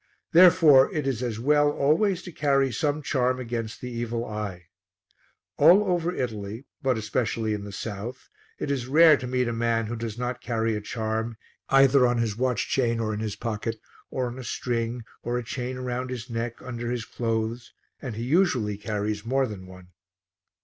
Therefore, it is as well always to carry some charm against the evil eye. All over Italy, but especially in the south, it is rare to meet a man who does not carry a charm, either on his watch chain or in his pocket, or on a string or a chain round his neck under his clothes, and he usually carries more than one.